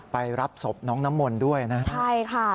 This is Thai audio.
ไปรับศพน้องน้ำมนต์ด้วยนะใช่ค่ะ